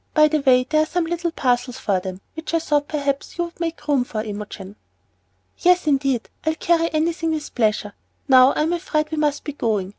By the way, there are some little parcels for them, which I thought perhaps you would make room for, Imogen." "Yes, indeed, I'll carry anything with pleasure. Now I'm afraid we must be going.